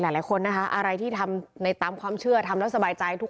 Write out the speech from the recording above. หลายคนนะคะอะไรที่ทำในตามความเชื่อทำแล้วสบายใจทุก